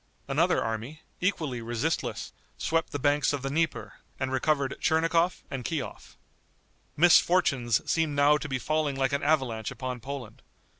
Another army, equally resistless, swept the banks of the Dnieper, and recovered Tchernigov and Kiof. Misfortunes seemed now to be falling like an avalanche upon Poland.